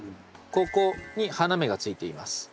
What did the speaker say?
ここに花芽がついています。